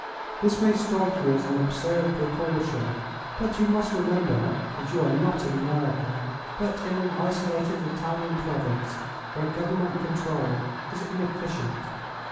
This may strike you as an absurd precaution; but you must remember that you are not in America, but in an isolated Italian province, where government control is inefficient.